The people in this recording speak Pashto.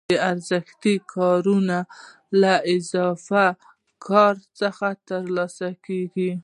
دا ارزښت د کارګرانو له اضافي کار څخه ترلاسه کېږي